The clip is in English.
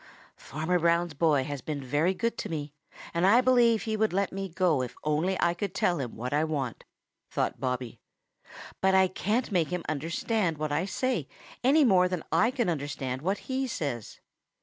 "Farmer Brown's boy has been very good to me, and I believe he would let me go if only I could tell him what I want," thought Bobby, "but I can't make him understand what I say any more than I can understand what he says.